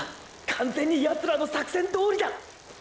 完全にヤツらの作戦どおりだ！！